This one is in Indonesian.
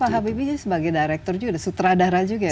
pak habibie sebagai director juga sutradara juga ya